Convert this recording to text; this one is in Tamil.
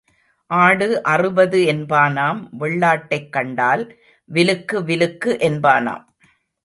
ஆடு அறுபது என்பானாம் வெள்ளாட்டைக் கண்டால் விலுக்கு விலுக்கு என்பானாம்.